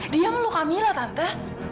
dia melukamila tante